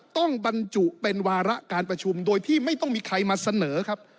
ต้องบรรจุเป็นวาระการประชุมโดยที่ไม่ต้องมีใครมาเสนอครับ